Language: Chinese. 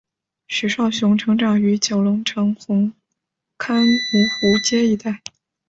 许绍雄成长于九龙城红磡芜湖街一带。